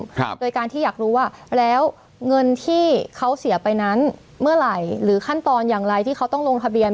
ครับโดยการที่อยากรู้ว่าแล้วเงินที่เขาเสียไปนั้นเมื่อไหร่หรือขั้นตอนอย่างไรที่เขาต้องลงทะเบียน